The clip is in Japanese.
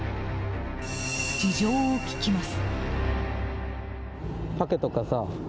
事情を聴きます。